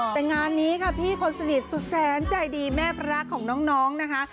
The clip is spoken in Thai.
แต่งานนี้ค่ะพี่คนสนิทสุดแสนใจดีแม่พระของน้องนะคะ